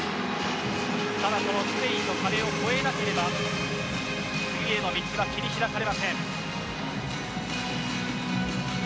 ただそのスペインの壁を越えなければ次への道は切り開かれません。